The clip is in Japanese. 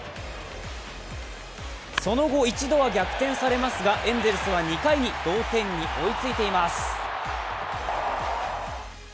その後、１度は逆転されますがエンゼルスは２回に同点に追いついています。